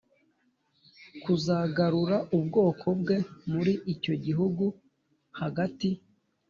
kuzagarura ubwoko bwe muri icyo gihugu Hagati